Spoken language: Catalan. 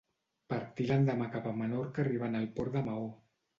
Partí l'endemà cap a Menorca arribant al port de Maó.